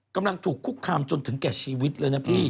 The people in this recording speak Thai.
กำลังถูกคุกคามจนถึงแก่ชีวิตเลยนะพี่